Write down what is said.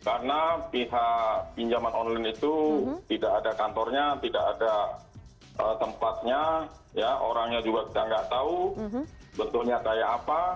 karena pihak pinjaman online itu tidak ada kantornya tidak ada tempatnya orangnya juga kita tidak tahu bentuknya kayak apa